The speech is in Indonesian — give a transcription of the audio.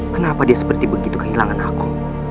kenapa dia seperti begitu kehilangan aku